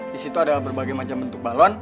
disitu ada berbagai macam bentuk balon